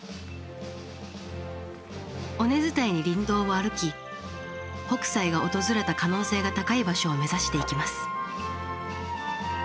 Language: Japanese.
尾根伝いに林道を歩き北斎が訪れた可能性が高い場所を目指していきます。